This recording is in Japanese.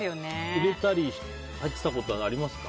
入れたり、入ってたことありますか？